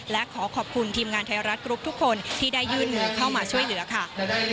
และขอขอบคุณทีมงานไทยรัฐกรุ๊ปทุกคนที่ได้ยื่นมือเข้ามาช่วยเหลือค่ะ